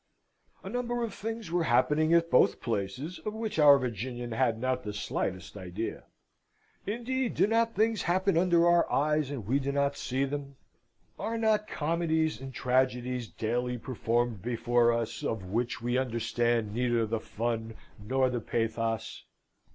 A number of things were happening at both places, of which our Virginian had not the slightest idea. Indeed, do not things happen under our eyes, and we not see them? Are not comedies and tragedies daily performed before us of which we understand neither the fun nor the pathos?